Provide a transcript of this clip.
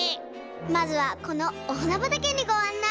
まずはこのおはなばたけにごあんない！